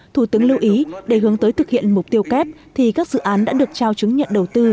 thủ tướng lưu ý để hướng tới thực hiện mục tiêu kép thì các dự án đã được trao chứng nhận đầu tư